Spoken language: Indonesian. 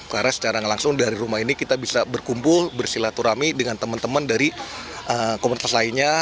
karena secara langsung dari rumah ini kita bisa berkumpul bersilaturami dengan teman teman dari komunitas lainnya